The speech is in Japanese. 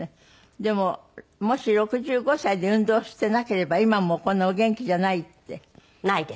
でももし６５歳で運動してなければ今もこんなお元気じゃないって。